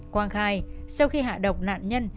quang khai sau khi hạ độc nạn nhân